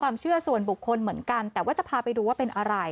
ความเชื่อส่วนบุคคลเหมือนกันแต่ว่าจะพาไปดูว่าเป็นอะไร